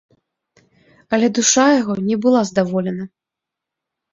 Але душа яго не была здаволена.